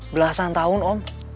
belasan tahun om